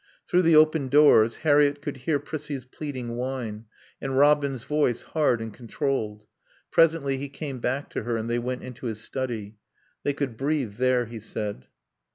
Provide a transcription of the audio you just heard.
Through the open doors Harriett could hear Prissie's pleading whine, and Robin's voice, hard and controlled. Presently he came back to her and they went into his study. They could breathe there, he said.